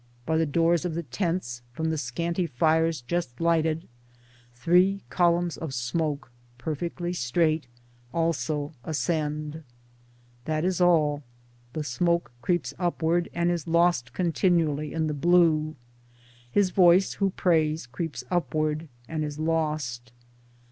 By the doors of the tents from the 78 Towards Democracy scanty fires just lighted three columns of smoke, perfectly straight, also ascend. That is all. The smoke creeps upward and is lost continually in the blue ; his voice who prays creeps upward and is lost.